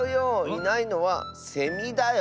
いないのはセミだよ。